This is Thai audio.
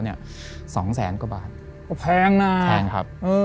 ๒๐๐๐๐๐กว่าบาทแพงนะสุดท้ายครับ